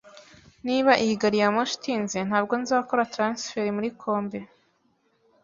Niba iyi gari ya moshi itinze, ntabwo nzakora transfert muri Kobe.